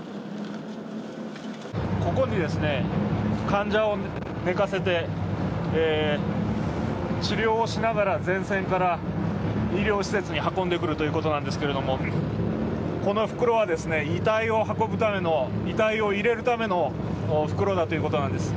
ここに患者を寝かせて治療をしながら前線から医療施設に運んでくるということなんですけれども、この袋は、遺体を運ぶための遺体を入れるための袋だということなんです。